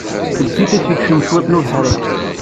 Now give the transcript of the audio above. Ǧǧet ad d-yekcem ciṭ ubeḥri.